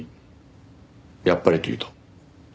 「やっぱり」というと？